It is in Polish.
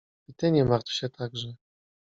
I ty nie martw się także!